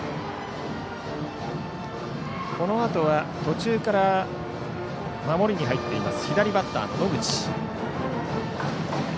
このあとは途中から守りに入っている左バッターの野口。